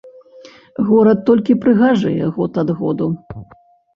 Горад толькі прыгажэе год ад году.